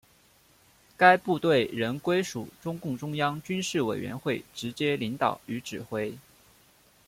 该部队仍归属中共中央军事委员会直接领导与指挥。